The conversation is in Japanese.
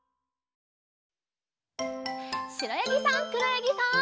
しろやぎさんくろやぎさん。